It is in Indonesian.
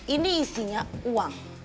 ini isinya uang